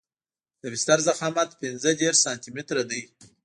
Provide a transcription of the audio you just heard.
د بستر ضخامت پنځه دېرش سانتي متره دی